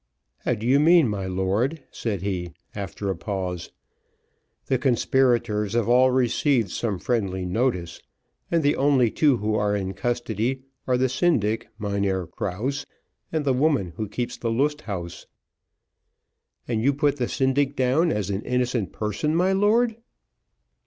"How do you mean, my lord?" said he, after a pause. "The conspirators have all received some friendly notice, and the only two who are in custody are the syndic, Mynheer Krause, and the woman who keeps the Lust Haus." "And you put the syndic down as an innocent person, my lord?"